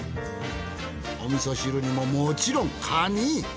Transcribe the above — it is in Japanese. おみそ汁にももちろんカニ。